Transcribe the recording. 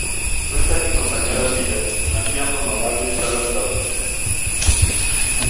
Junto a su compañero Hide, hacían memorables solos dobles.